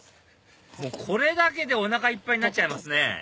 これだけでおなかいっぱいになっちゃいますね